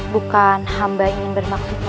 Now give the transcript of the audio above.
bukan hamba ingin bermaksud mangrid